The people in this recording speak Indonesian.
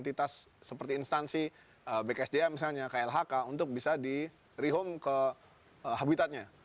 atau entitas seperti instansi bksjm misalnya klhk untuk bisa di rehome ke habitatnya